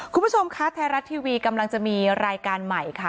คุณผู้ชมคะไทยรัฐทีวีกำลังจะมีรายการใหม่ค่ะ